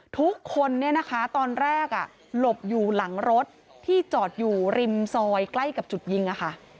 ทุกคนเนี่ยนะคะตอนแรกหลบอยู่หลังรถที่จอดอยู่ริมซอยใกล้กับจุดยิงอะค่ะ